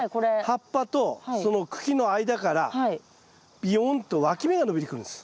葉っぱとその茎の間からびよんとわき芽が伸びてくるんです。